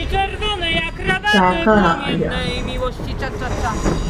Tkar aa aʼaya.